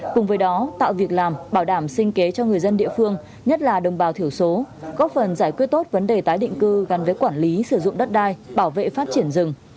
cùng với đó tạo việc làm bảo đảm sinh kế cho người dân địa phương nhất là đồng bào thiểu số góp phần giải quyết tốt vấn đề tái định cư gắn với quản lý sử dụng đất đai bảo vệ phát triển rừng